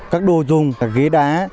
các đồ dùng ghế đá